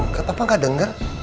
gak apa apa gak dengar